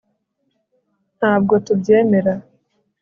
ntabwo tubyemera